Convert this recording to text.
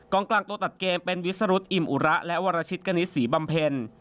กลางตัวตัดเกมเป็นวิสรุธอิมอุระและวรชิตกณิตศรีบำเพ็ญ